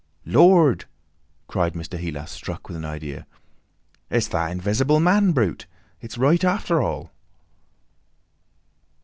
"Lord!" cried Mr. Heelas, struck with an idea; "it's that Invisible Man brute! It's right, after all!"